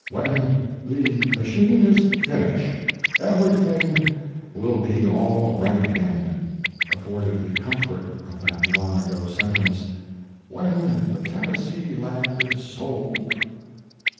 "When the machine is finished everything will be all right again" afforded the comfort of that long ago sentence, "When the Tennessee land is sold."